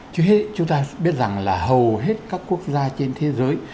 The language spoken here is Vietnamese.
trước hết chúng ta biết rằng là hầu hết các quốc gia trên thế giới